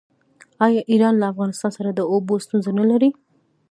آیا ایران له افغانستان سره د اوبو ستونزه نلري؟